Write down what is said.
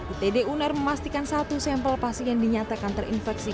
itd uner memastikan satu sampel pasien dinyatakan terinfeksi